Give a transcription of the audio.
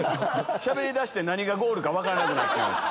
しゃべりだして何がゴールか分からなくなってしまいました。